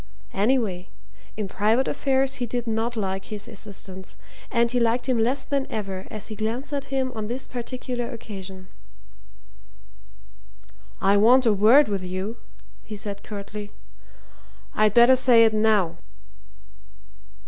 Anyway, in private affairs, he did not like his assistant, and he liked him less than ever as he glanced at him on this particular occasion. "I want a word with you," he said curtly. "I'd better say it now."